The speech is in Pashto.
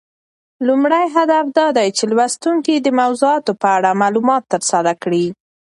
لومړی هدف دا دی چې لوستونکي د موضوعاتو په اړه معلومات ترلاسه کړي.